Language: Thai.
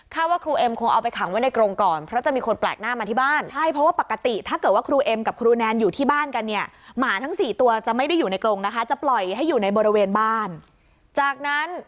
ค่าว่าครูเอ็มคงเอาไปขังไว้ในกรงก่อน